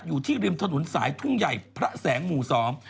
อยู่ที่ริมถนนสายทุ่งใหญ่พระแสงหมู่สอง